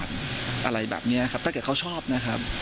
อะไรแบบนี้ครับถ้าเกิดเขาชอบนะครับ